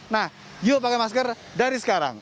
nah yuk pakai masker dari sekarang